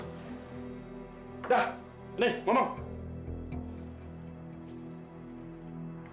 udah nih ngomong